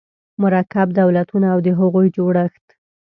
مرکب دولتونه او د هغوی جوړښت